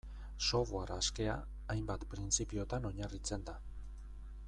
Software askea, hainbat printzipiotan oinarritzen da.